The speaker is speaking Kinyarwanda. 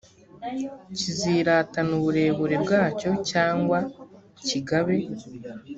kiziratana uburebure bwacyo cyangwa ngo kigabe